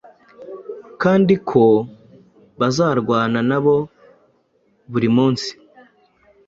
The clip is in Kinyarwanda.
kandi ko bazarwana nabo buri munsi.